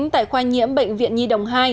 tại khoa nhiễm bệnh viện nhi đồng hai